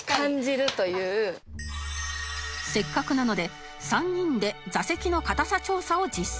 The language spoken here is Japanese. せっかくなので３人で座席のかたさ調査を実践